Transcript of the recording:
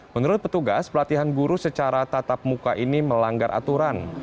menurut petugas pelatihan guru secara tatap muka ini melanggar aturan